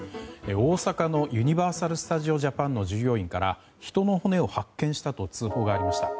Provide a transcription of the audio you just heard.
大阪のユニバーサル・スタジオ・ジャパンの従業員から人の骨を発見したと通報がありました。